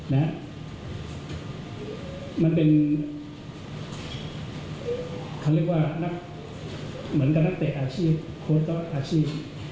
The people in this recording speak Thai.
และมันเป็นเขาเรียกว่าเหมือนกับนักเตะอาชีพ